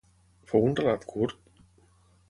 Fou un relat curt?